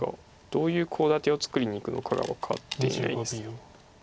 どういうコウ立てを作りにいくのかが分かっていないです。